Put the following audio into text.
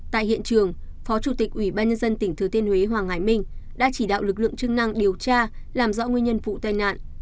tại hiện trường phó chủ tịch ủy ban nhân dân tỉnh thừa tiên huế hoàng hải minh đã chỉ đạo lực lượng chức năng điều tra làm rõ nguyên nhân vụ tai nạn